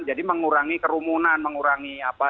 jadi mengurangi kerumunan mengurangi apa